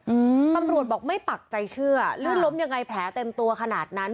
อืมตำรวจบอกไม่ปักใจเชื่อลื่นล้มยังไงแผลเต็มตัวขนาดนั้น